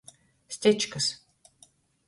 Stečkys.